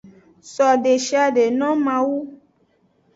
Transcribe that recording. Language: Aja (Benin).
So deshiade no mawu.